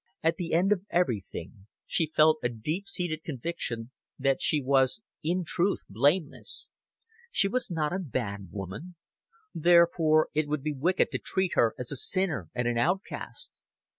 At the end of everything she felt a deep seated conviction that she was in truth blameless. She was not a bad woman. Therefore it would be wicked to treat her as a sinner and an outcast.